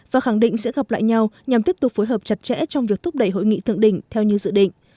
và khẳng định sẽ gặp lại nhau nhằm tiếp tục phối hợp chặt chẽ trong việc thúc đẩy hội nghị thượng đỉnh theo như dự định